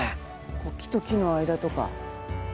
こう木と木の間とか。